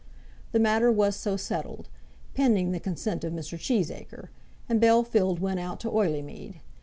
The matter was so settled, pending the consent of Mr. Cheesacre; and Bellfield went out to Oileymead.